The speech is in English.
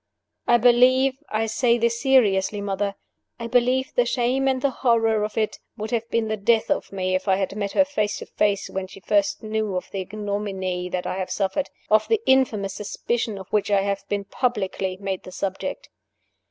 I believe I say this seriously, mother I believe the shame and the horror of it would have been the death of me if I had met her face to face when she first knew of the ignominy that I have suffered, of the infamous suspicion of which I have been publicly made the subject.